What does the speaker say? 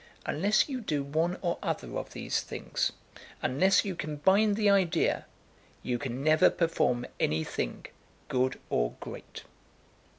Unless you do one or other of these things unless you can bind the idea, you can never perform any thing good or great."